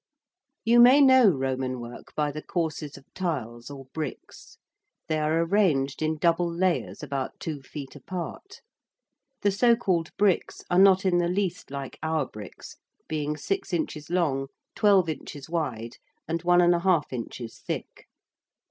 You may know Roman work by the courses of tiles or bricks. They are arranged in double layers about 2 feet apart. The so called bricks are not in the least like our bricks, being 6 inches long, 12 inches wide and 1½ inch thick.